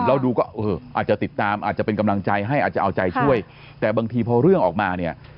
เราดูก็อาจจะติดตามอาจจะเป็นกำลังใจให้อาจจะเอาใจช่วยแต่บางทีพอเรื่องออกมาเนี่ย